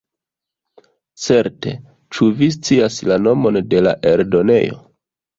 Certe, ĉu vi scias la nomon de la eldonejo?